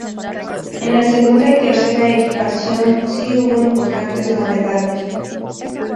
En la segunda y tercera equipación sí hubo importantes novedades.